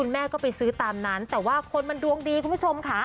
แม่ก็ไปซื้อตามนั้นแต่ว่าคนมันดวงดีคุณผู้ชมค่ะ